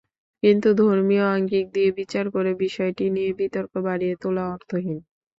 কিন্তু ধর্মীয় আঙ্গিক দিয়ে বিচার করে বিষয়টি নিয়ে বিতর্ক বাড়িয়ে তোলা অর্থহীন।